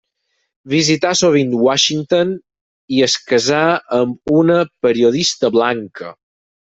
Visità sovint Washington i es casà amb una periodista blanca.